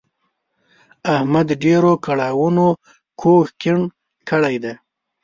احمد ډېرو کړاوونو کوږ کیڼ کړی دی.